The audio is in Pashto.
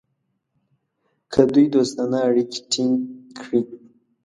که دوی دوستانه اړیکې ټینګ کړي.